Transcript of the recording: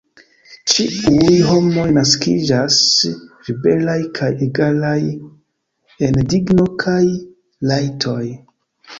Ĉiuj homoj naskiĝas liberaj kaj egalaj en digno kaj rajtoj.